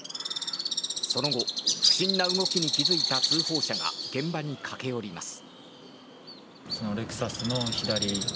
その後不審な動きに気付いた通報者が現場に駆け寄ります。